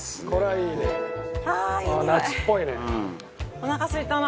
おなか、すいたな。